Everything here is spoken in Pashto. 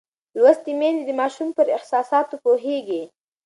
لوستې میندې د ماشوم پر احساساتو پوهېږي.